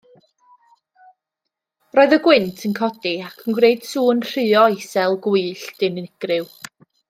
Roedd y gwynt yn codi ac yn gwneud sŵn rhuo isel, gwyllt, unigryw.